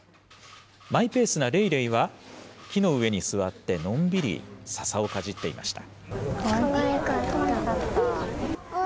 マイペースなレイレイは、木の上に座って、のんびり笹をかじっていました。